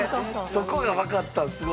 そこがわかったんすごいわ。